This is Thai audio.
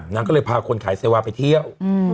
นางก็เลยพาคนขายเซวาไปเที่ยว